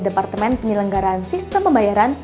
departemen penyelenggaraan sistem pembayaran